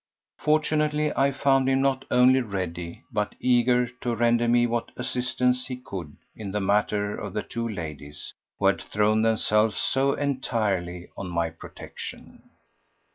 Fortunately I found him not only ready but eager to render me what assistance he could in the matter of the two ladies who had thrown themselves so entirely on my protection.